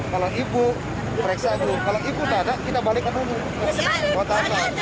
kalau ibu pereksa itu kalau ibu nggak ada kita balik ke dulu